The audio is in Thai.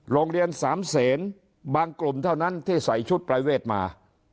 โรงเรียนสามเศษบางกลุ่มเท่านั้นที่ใส่ชุดปรายเวทมา